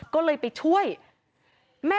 กังฟูเปล่าใหญ่มา